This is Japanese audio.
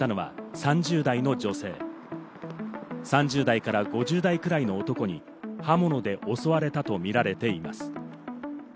３０代から５０代くらいの男に刃物で襲われたとみられています。